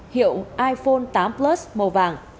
hiệu iphone tám plus màu vàng